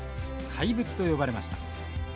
怪物と呼ばれました。